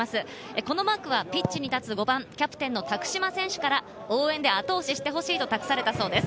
このマークはピッチに立つ５番キャプテンの多久島選手から応援で後押ししてほしいと託されたそうです。